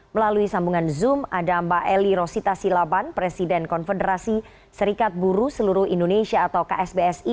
melalui sambungan zoom ada mbak eli rosita silaban presiden konfederasi serikat buruh seluruh indonesia atau ksbsi